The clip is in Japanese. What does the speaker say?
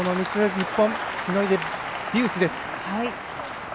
日本はしのいでデュースです。